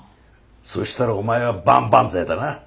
そしたらお前は万々歳だな。